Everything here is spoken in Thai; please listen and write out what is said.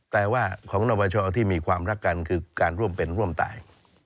แต่ว่าของนบชที่มีความรักกันคือการร่วมเป็นร่วมตาย